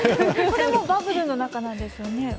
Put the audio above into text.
これもバブルの中なんでしょうね？